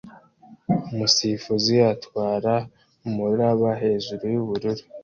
Umusifuzi atwara umuraba hejuru yubururu